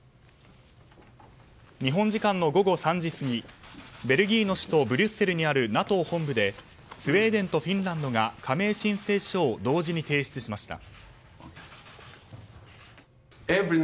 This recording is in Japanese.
日本時間の午後３時過ぎベルギーの首都ブリュッセルにあるＮＡＴＯ本部でスウェーデンとフィンランドが加盟申請書を同時に提出しました。